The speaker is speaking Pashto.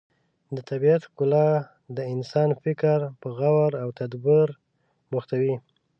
د طبیعت ښکلا د انسان فکر په غور او تدبر بوختوي.